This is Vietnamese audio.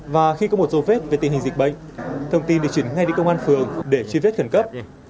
và khi có một dấu vết về tình hình dịch bệnh thông tin được chuyển ngay đến công an phường để truy vết khẩn cấp